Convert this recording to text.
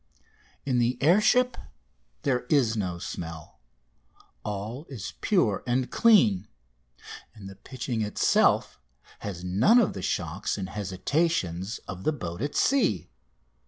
In the air ship there is no smell all is pure and clean and the pitching itself has none of the shocks and hesitations of the boat at sea.